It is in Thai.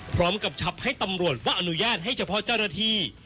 พร้อมกับชับให้ตำรวจว่าอนุญาตให้เฉพาะเจ้าหน้าที่